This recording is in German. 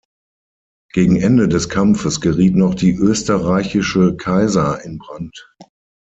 Gegen Ende des Kampfes geriet noch die österreichische "Kaiser" in Brand.